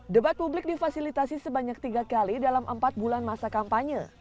debat publik difasilitasi sebanyak tiga kali dalam empat bulan masa kampanye